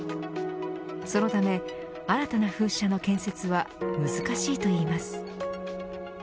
そのため、新たな風車の建設は難しいといいます。